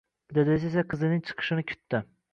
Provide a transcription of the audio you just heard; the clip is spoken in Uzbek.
Dadasi esa qizining chiqishini kutdi